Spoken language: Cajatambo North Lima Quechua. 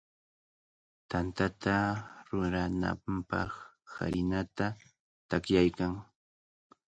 Tantata rurananpaq harinata taqllaykan.